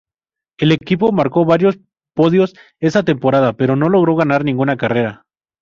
El equipo marcó varios podios esa temporada, pero no logró ganar ninguna carrera.